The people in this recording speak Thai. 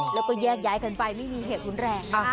แล้วก็แยกกันไปไม่มีเหตุหุ้นแรงนะคะ